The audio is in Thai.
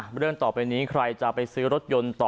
เรื่องต่อไปนี้ใครจะไปซื้อรถยนต์ต่อ